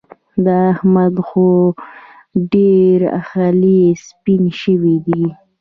د احمد خو هم ډېر خلي سپين شوي دي.